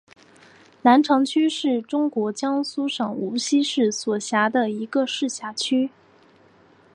南长区是中国江苏省无锡市所辖的一个市辖区。